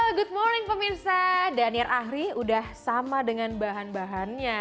good morning pemirsa daniel ahri udah sama dengan bahan bahannya